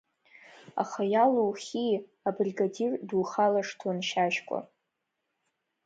Аха иалухи, абригадир духалыршҭуан Шьашькәа.